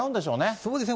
そうですね。